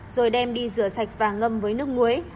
rồi đem đi rửa sạch và ngâm với nước muối